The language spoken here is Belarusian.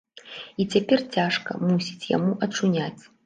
І цяпер цяжка, мусіць, яму ачуняць.